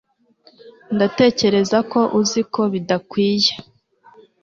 ndatekereza ko uzi ko bidakwiye